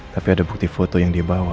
tapi ada bukti foto yang dia bawa